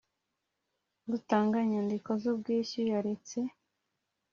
utanga inyandiko z ubwishyu yaretse